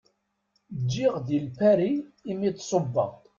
Ǧǧiɣ di Lpari i mi d-ṣubbeɣ.